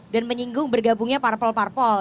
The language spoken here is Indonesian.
dan menyinggung bergabungnya parpol parpol